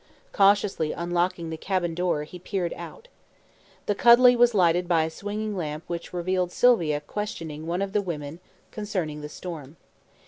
Cautiously unlocking the cabin door, he peered out. The cuddy was lighted by a swinging lamp which revealed Sylvia questioning one of the women concerning the storm.